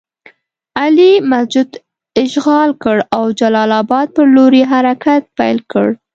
علي مسجد اشغال کړ او جلال اباد پر لور یې حرکت پیل کړ.